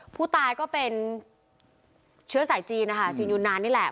ผู้ตายก็เป็นเชื้อสายจีนนะคะจีนยูนานนี่แหละ